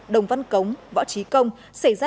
đồng văn cống võ trí công xảy ra